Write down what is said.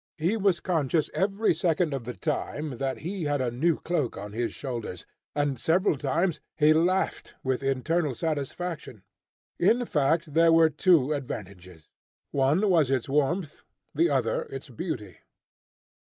He was conscious every second of the time that he had a new cloak on his shoulders, and several times he laughed with internal satisfaction. In fact, there were two advantages, one was its warmth, the other its beauty.